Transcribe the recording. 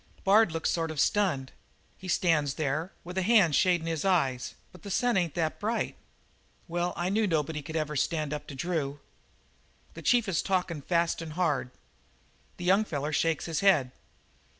"Bard looks sort of stunned; he stands there with a hand shadin' his eyes, but the sun ain't that bright. Well, I knew nobody could ever stand up to Drew. "The chief is talkin' fast and hard. The young feller shakes his head.